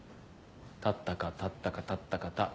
たったかたったかたったかた。